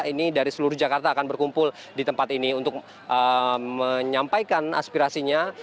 ini dari seluruh jakarta akan berkumpul di tempat ini untuk menyampaikan aspirasinya